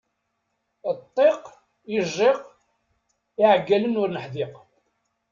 Ṭṭiq, ijjiq, iεeggalen ur neḥdiq.